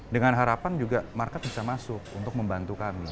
dengan harapan juga market bisa masuk untuk membantu kami